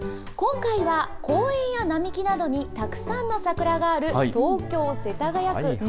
今回は、公園や並木などにたくさんの桜がある東京・世田谷区。